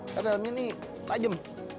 kabel ini tajam